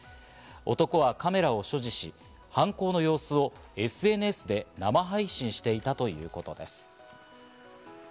男はカメラを所持し、犯行の様子をＳＮＳで生配信していたということです。